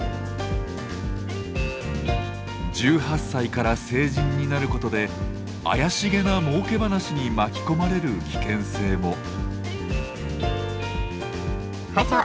１８歳から成人になることで「怪しげな儲け話」に巻き込まれる危険性も。